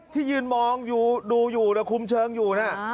ที่ยืนมองดูอยู่คุมเชิงอยู่นะ